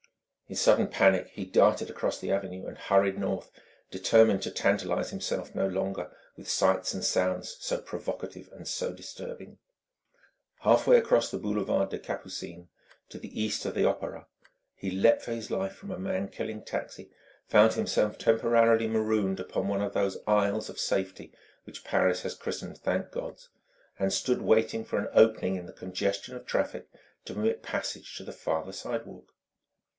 In sudden panic he darted across the avenue and hurried north, determined to tantalize himself no longer with sights and sounds so provocative and so disturbing. Half way across the boulevard des Capucines, to the east of the Opéra, he leapt for his life from a man killing taxi, found himself temporarily marooned upon one of those isles of safety which Paris has christened "thank Gods," and stood waiting for an opening in the congestion of traffic to permit passage to the farther sidewalk.